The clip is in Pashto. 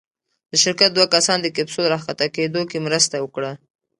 د شرکت دوه کسان د کپسول راښکته کېدو کې مرسته وکړه.